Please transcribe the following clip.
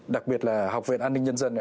đặc biệt là học viện an ninh nhân dân